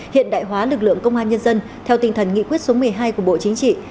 hiện đại hóa lực lượng công an nhân dân theo tình thần nghị quyết số một mươi hai của bộ chính trị